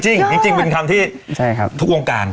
จริงเป็นคำที่ทุกวงการ